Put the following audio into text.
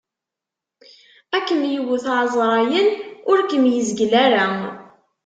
Ad kem-yewwet, ɛezṛayen ur kem-yezgal ara.